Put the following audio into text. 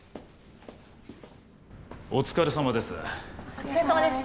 お疲れさまです